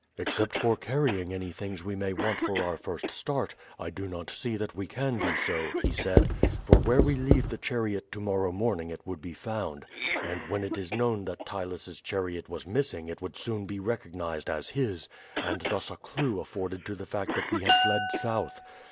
"Except for carrying any things we may want for our first start, I do not see that we can do so," he said; "for where we leave the chariot to morrow morning it would be found, and when it is known that Ptylus' chariot was missing it would soon be recognized as his, and thus a clue be afforded to the fact that we had fled south.